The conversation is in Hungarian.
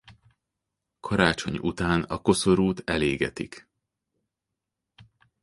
Karácsony után a koszorút elégetik.